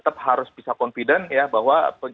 terlalu banyak harga